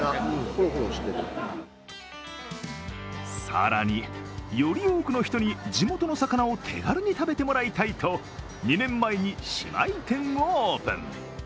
更に、より多くの人に地元の魚を手軽に食べてもらいたいと２年前に姉妹店をオープン。